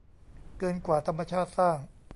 เกินกว่าธรรมชาติสร้าง